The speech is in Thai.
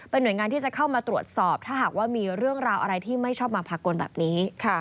หน่วยงานที่จะเข้ามาตรวจสอบถ้าหากว่ามีเรื่องราวอะไรที่ไม่ชอบมาพากลแบบนี้